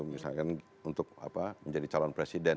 misalkan untuk menjadi calon presiden